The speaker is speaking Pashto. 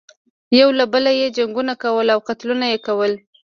یو له بله یې جنګونه کول او قتلونه یې کول.